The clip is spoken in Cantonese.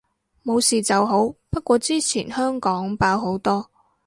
冇事就好，不過之前香港爆好多